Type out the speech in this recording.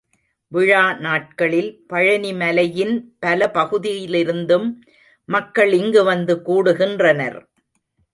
விழா நாட்களில் பழனிமலையின் பல பகுதியிலிருந்தும் மக்கள் இங்கு வந்து கூடு கின்றனர்.